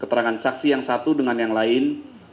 keterangan saksi yang satu dengan yang lain